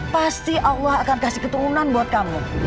pasti allah akan kasih keturunan buat kamu